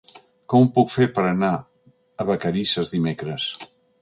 Com ho puc fer per anar a Vacarisses dimecres?